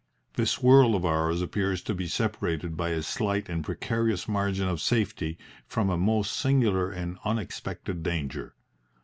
This world of ours appears to be separated by a slight and precarious margin of safety from a most singular and unexpected danger.